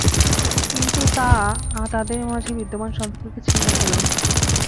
কিন্তু তা তাঁদের মাঝে বিদ্যমান সম্পর্ককে ছিন্ন করল না।